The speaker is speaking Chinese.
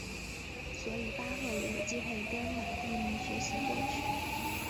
所以巴赫也有机会跟马蒂尼学习作曲。